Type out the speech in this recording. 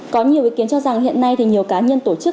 có nhiều ý kiến cho rằng hiện nay thì nhiều cá nhân tổ chức